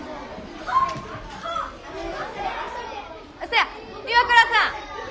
せや岩倉さん。